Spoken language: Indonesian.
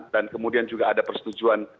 dan kemudian juga ada persetujuan